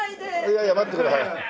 いやいや待ってください。